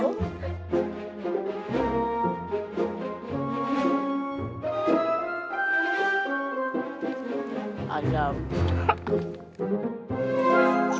tidak apa apa pak man